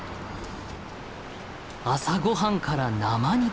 朝ごはんから生肉。